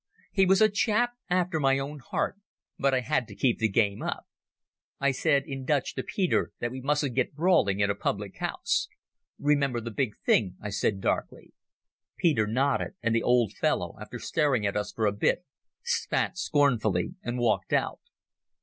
He was a chap after my own heart, but I had to keep the game up. I said in Dutch to Peter that we mustn't get brawling in a public house. "Remember the big thing," I said darkly. Peter nodded, and the old fellow, after staring at us for a bit, spat scornfully, and walked out.